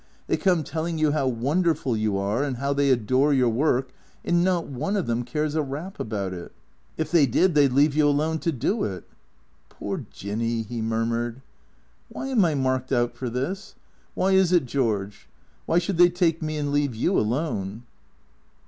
They come telling you how wonderful you are and how they adore your work; and not one of them cares a rap about it. It they did they 'd leave you alone to do it." " Poor Jinny," he murmured. " Why am I marked out for this ? Why is it, George ? Why should they take me and leave you alone